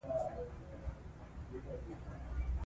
پکتیا د افغانستان د ځایي اقتصادونو بنسټ دی.